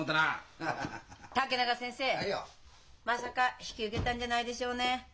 まさか引き受けたんじゃないでしょうね？